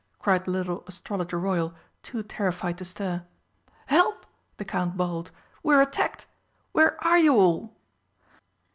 cried the little Astrologer Royal, too terrified to stir. "Help!" the Count bawled, "we are attacked! Where are you all?"